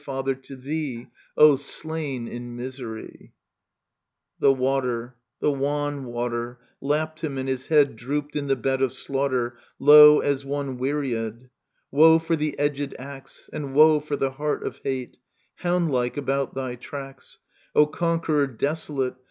Father, to thee, O slain in misery I The water, the wan water, [AntistropKe 2 Lapped him, and his head Drooped in the bed of slaughter Low, as one weariid ; Woe for the edg^d axe. And woe for the heart of hate, Houndlike about thy tracks, O conqueror desolate.